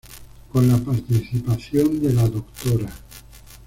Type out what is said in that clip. Con la participación de la Dra.